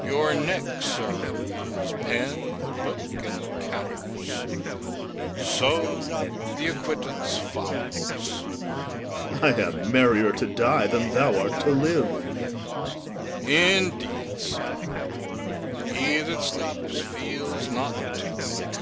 Your neck, sir, is pen, book, and counters; so the acquittance follows. POSTHUMUS. I am merrier to die than thou art to live. GAOLER. Indeed, sir, he that sleeps feels not the toothache.